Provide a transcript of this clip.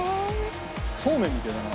そうめんみたいだな。